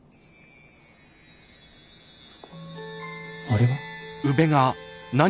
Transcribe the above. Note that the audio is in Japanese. あれは？